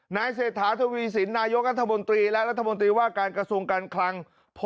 เศรษฐาทวีสินนายกรัฐมนตรีและรัฐมนตรีว่าการกระทรวงการคลัง